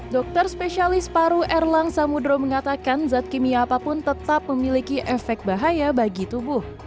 dokter spesialis paru erlang samudro mengatakan zat kimia apapun tetap memiliki efek bahaya bagi tubuh